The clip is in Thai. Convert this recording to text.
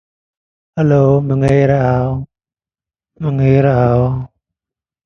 เกียรติประวัติ